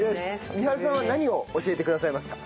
美晴さんは何を教えてくださいますか？